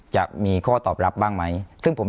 จะมีข้อตอบรับบ้างไหม